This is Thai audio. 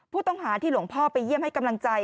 ผู้ต้องหาที่หลวงพ่อไปเยี่ยมให้กำลังใจ